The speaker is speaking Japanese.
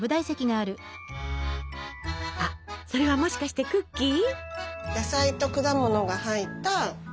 あっそれはもしかしてクッキー？